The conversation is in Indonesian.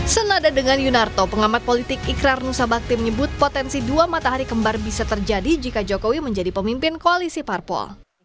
senada dengan yunarto pengamat politik ikrar nusa bakti menyebut potensi dua matahari kembar bisa terjadi jika jokowi menjadi pemimpin koalisi parpol